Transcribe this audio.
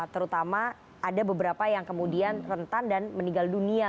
terutama ada beberapa yang kemudian rentan dan meninggal dunia